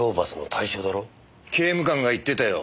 刑務官が言ってたよ。